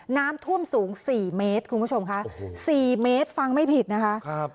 น้ำท่วมสูงสี่เมตรคุณผู้ชมค่ะสี่เมตรฟังไม่ผิดนะคะครับ